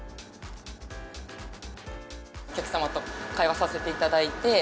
お客様と会話させていただいて。